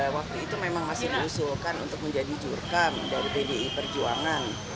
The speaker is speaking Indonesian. waktu itu memang masih diusulkan untuk menjadi jurkam dari pdi perjuangan